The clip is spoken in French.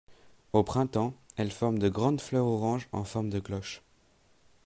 Au printemps, elle forme de grandes fleurs orange en forme de cloche.